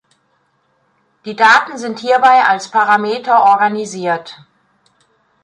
Die Daten sind hierbei als Parameter organisiert.